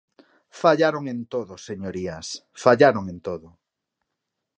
Fallaron en todo, señorías, fallaron en todo.